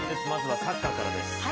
まずはサッカーからです。